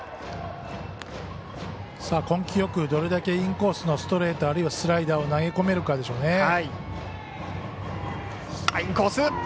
根気よくどれだけインコースのストレートあるいはスライダーを投げ込めるかでしょうね。